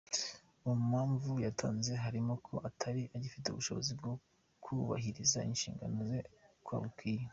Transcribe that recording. Mu mpamvu yatanze harimo ko atari agifite ubushobozi bwo kubahiriza inshingano ze uko bikwiye.